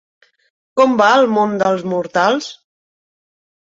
Com va el món dels mortals?